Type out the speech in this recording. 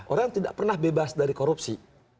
orang tidak pernah bebas dari korupsi